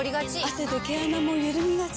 汗で毛穴もゆるみがち。